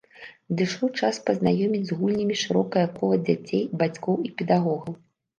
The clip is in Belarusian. Надышоў час пазнаёміць з гульнямі шырокае кола дзяцей, бацькоў і педагогаў.